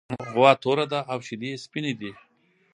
غوا توره ده او شیدې یې سپینې دي.